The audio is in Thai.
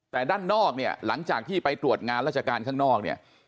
แต่ด้านนอกเนี่ยหลังจากที่ไปตรวจงานราชการข้างนอกเนี่ย